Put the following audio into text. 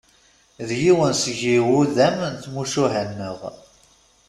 D yiwen seg iwudam n tmucuha-nneɣ.